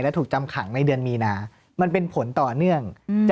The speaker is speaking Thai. และถูกจำขังในเดือนมีนามันเป็นผลต่อเนื่อง